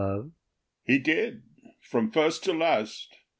He did, from first to last.